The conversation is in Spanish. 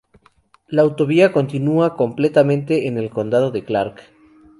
La autovía continua completamente en el condado de Clark.